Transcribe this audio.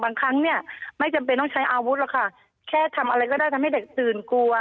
ครั้งเนี่ยไม่จำเป็นต้องใช้อาวุธหรอกค่ะแค่ทำอะไรก็ได้ทำให้เด็กตื่นกลัว